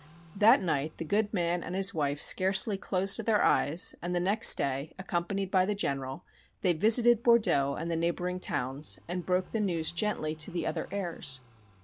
That night the good man and his wife scarcely closed their eyes, and the next day, accompanied by the General, they visited Bordeaux and the neighboring towns and broke the news gently to the other heirs.